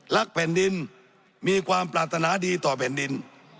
แผ่นดินมีความปรารถนาดีต่อแผ่นดิน